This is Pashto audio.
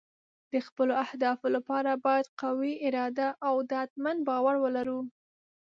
د خپلو اهدافو لپاره باید قوي اراده او ډاډمن باور ولرو.